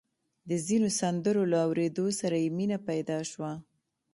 د ځينو سندرو له اورېدو سره يې مينه پيدا شوه.